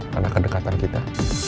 karena kedekatan kita